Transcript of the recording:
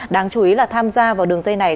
đáng chú ý là tham gia vào đường dây này